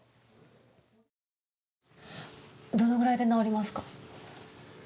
どのぐらいで治りますか？